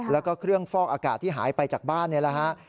แล้วก็เครื่องฟอกอากาศที่หายไปจากบ้านนี่แหละฮะ